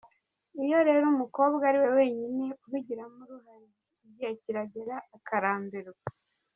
Iyo rero umukobwa ari we wenyine ubigiramo uruhare, igihe kiragera akarambirwa.